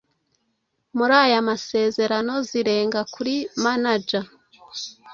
muri aya masezerano zirenga kuri manager